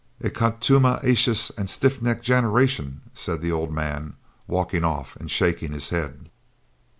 'A contuma acious and stiff necked generation,' said the old man, walking off and shaking his head.